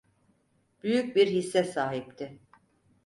Büyük bir hisse sahipti.